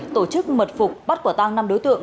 tổ chức mật phục bắt quả tăng năm đối tượng